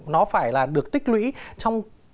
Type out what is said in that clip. nó phải là được tích lũy trong